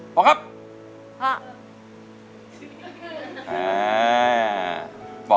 พอครับ